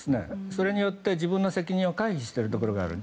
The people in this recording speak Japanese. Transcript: それによって自分の責任を回避しているところがある。